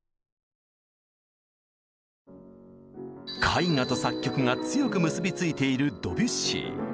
絵画と作曲が強く結び付いているドビュッシー。